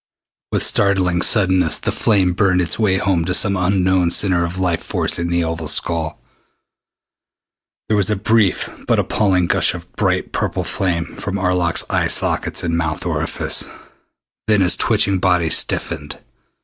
With startling suddenness the flame burned its way home to some unknown center of life force in the oval skull. There was a brief but appalling gush of bright purple flame from Arlok's eye sockets and mouth orifice. Then his twitching body stiffened.